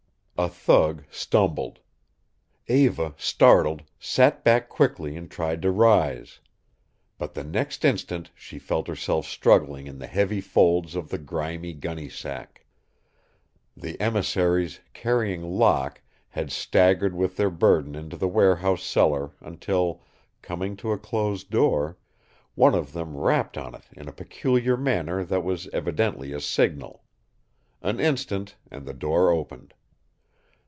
A thug stumbled. Eva, startled, sat back quickly and tried to rise. But the next instant she felt herself struggling in the heavy folds of the grimy gunny sack. The emissaries, carrying Locke, had staggered with their burden into the warehouse cellar until, coming to a closed door, one of them rapped on it in a peculiar manner that was evidently a signal. An instant, and the door opened.